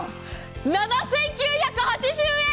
７９８０円！